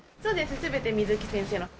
全て水木先生の。